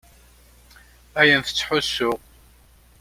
Ayen tettḥussu.